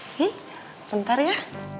nih sebentar ya